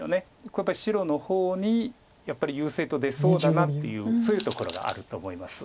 これ白の方にやっぱり優勢と出そうだなというそういうところがあると思います。